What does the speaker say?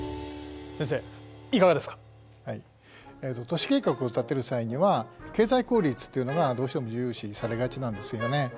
都市計画を立てる際には経済効率っていうのがどうしても重要視されがちなんですよね。